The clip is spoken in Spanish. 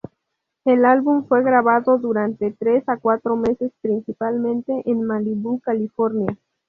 El álbum fue grabado durante tres a cuatro meses, principalmente en Malibu, California.